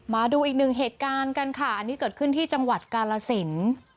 มาดูอีกหนึ่งเหตุการณ์กันค่ะอันนี้เกิดขึ้นที่จังหวัดกาลสิน